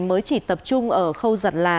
mới chỉ tập trung ở khâu giặt là